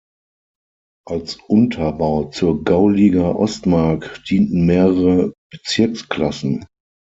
Als Unterbau zur "Gauliga Ostmark" dienten mehrere "Bezirksklassen".